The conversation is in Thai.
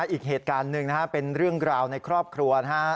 อีกเหตุการณ์หนึ่งนะครับเป็นเรื่องราวในครอบครัวนะฮะ